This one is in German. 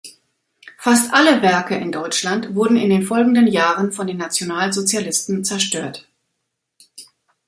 Fast alle Werke in Deutschland wurden in den folgenden Jahren von den Nationalsozialisten zerstört.